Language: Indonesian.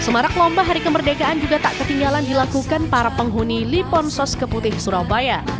semarak lomba hari kemerdekaan juga tak ketinggalan dilakukan para penghuni liponsos keputih surabaya